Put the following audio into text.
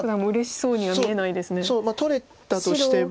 そう取れたとしても。